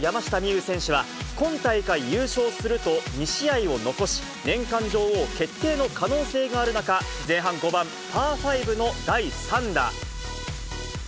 有選手は、今大会優勝すると、２試合を残し、年間女王決定の可能性がある中、前半５番パー５の第３打。